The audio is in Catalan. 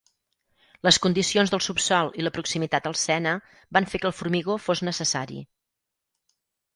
Les condicions del subsol i la proximitat al Sena van fer que el formigó fos necessari.